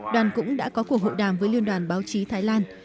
đoàn cũng đã có cuộc hội đàm với liên đoàn báo chí thái lan